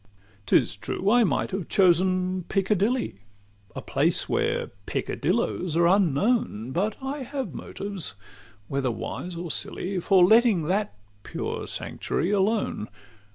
XXVII 'T is true, I might have chosen Piccadilly, A place where peccadillos are unknown; But I have motives, whether wise or silly, For letting that pure sanctuary alone.